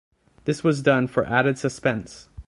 This was done for added suspense.